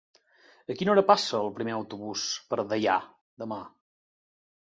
A quina hora passa el primer autobús per Deià demà?